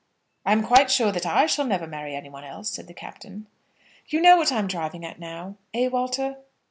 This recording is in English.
"I am quite sure that I shall never marry anyone else," said the Captain. "You know what I'm driving at now; eh, Walter?"